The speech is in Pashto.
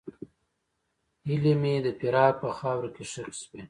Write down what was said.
هیلې مې د فراق په خاوره کې ښخې شوې.